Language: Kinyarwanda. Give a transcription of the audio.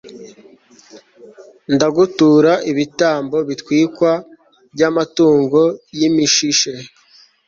ndagutura ibitambo bitwikwa by'amatungo y'imishishe